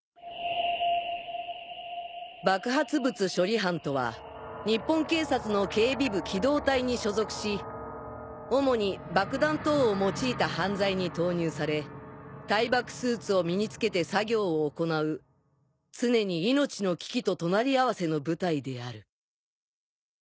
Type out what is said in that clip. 爆発物処理班とは日本警察の警備部機動隊に所属し主に爆弾等を用いた犯罪に投入され耐爆スーツを身に着けて作業を行う常に命の危機と隣り合わせの部隊である。